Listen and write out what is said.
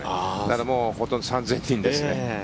だから本当に３０００人ですね。